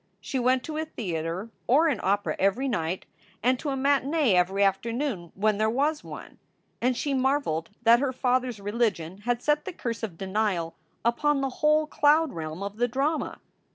She went to a theater or an opera every night, and to a SOULS FOR SALE 383 matinee every afternoon when there was one. And she marveled that her father s religion had set the curse of denial upon the whole cloud realm of the drama.